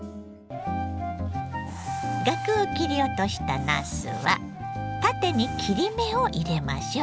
ガクを切り落としたなすは縦に切り目を入れましょう。